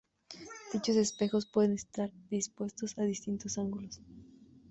Dichos espejos pueden estar dispuestos a distintos ángulos.